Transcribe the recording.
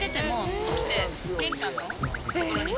玄関の所に。